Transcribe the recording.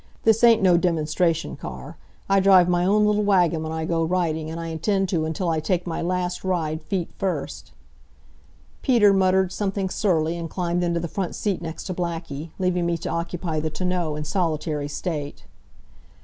"This ain't no demonstration car. I drive my own little wagon when I go riding, and I intend to until I take my last ride, feet first." Peter muttered something surly and climbed into the front seat next to Blackie, leaving me to occupy the tonneau in solitary state.